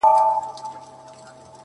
• چي را ورسېدی نیسو یې موږ دواړه ,